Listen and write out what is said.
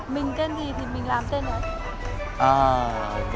mình tên gì thì mình làm tên đấy